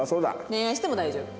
恋愛しても大丈夫。